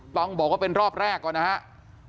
ต้องบอกว่าเป็นรอบแรกก่อนนะครับ